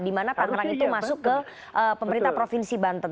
di mana tangerang itu masuk ke pemerintah provinsi banten